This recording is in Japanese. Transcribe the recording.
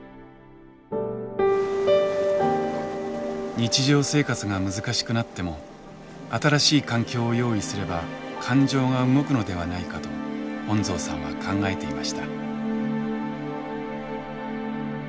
日常生活が難しくなっても新しい環境を用意すれば感情が動くのではないかと恩蔵さんは考えていました。